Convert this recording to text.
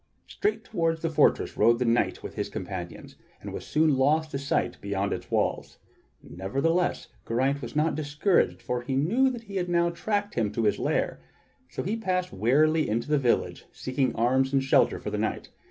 Straight toward the fortress rode the knight with his companions, and was soon lost to sight behind its walls. Nevertheless, Geraint was not discouraged, for he knew that he had now tracked him to his lair; so he passed wearily into the village seeking arms and shelter for the night.